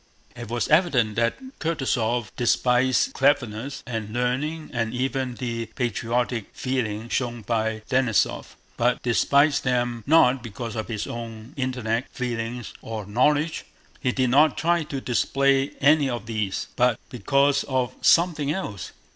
It was evident that Kutúzov despised cleverness and learning and even the patriotic feeling shown by Denísov, but despised them not because of his own intellect, feelings, or knowledge—he did not try to display any of these—but because of something else.